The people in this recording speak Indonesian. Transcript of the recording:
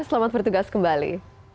selamat bertugas kembali